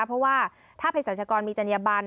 เพราะว่าถ้าภัยศาสตร์ชะกรมีจรรยาบัน